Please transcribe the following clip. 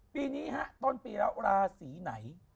ปีนี้ฮะต้นปีแล้วราศีไหน